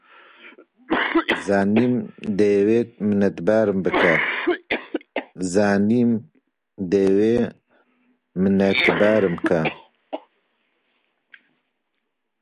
زانیم دەیەوێ منەتبارم کا